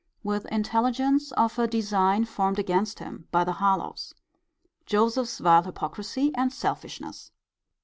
With intelligence of a design formed against him by the Harlowes. Joseph's vile hypocrisy and selfishness.